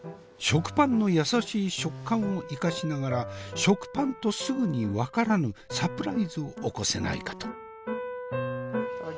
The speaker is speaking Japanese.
食パンの優しい食感を生かしながら食パンとすぐに分からぬサプライズを起こせないかと。